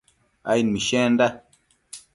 aid mishenda